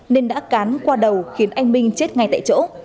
nên đã cán qua đầu khiến anh minh chết ngay tại chỗ